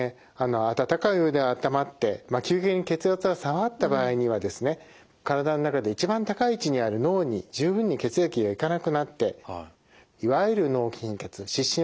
温かいお湯で温まって急激に血圧が下がった場合にはですね体の中で一番高い位置にある脳に十分に血液が行かなくなっていわゆる脳貧血・失神を起こすことがあります。